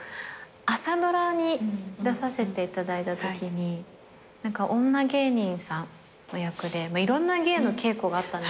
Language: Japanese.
朝ドラに出させていただいたとき女芸人さんの役でいろんな芸の稽古があったんですよ。